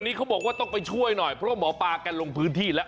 นี่เขาบอกว่าต้องไปช่วยหน่อยเพราะว่าหมอปลาแกลงพื้นที่แล้ว